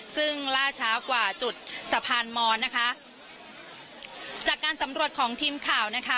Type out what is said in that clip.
ซึ่งล่าช้ากว่าจุดสะพานมอนนะคะจากการสำรวจของทีมข่าวนะคะ